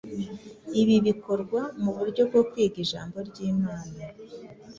Ibi bikorwa mu buryo bwo kwiga Ijambo ry’Imana